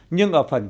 nhưng ở phần